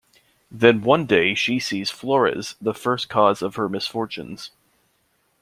Then one day she sees Florez, the first cause of her misfortunes.